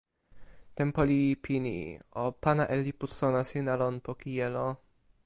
tenpo li pini. o pana e lipu sona sina lon poki jelo.